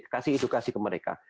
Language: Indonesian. kasih edukasi ke mereka